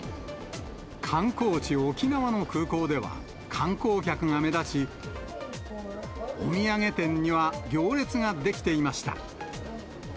観光地、沖縄の空港では、観光客が目立ち、お土産店には行列が出来ていました。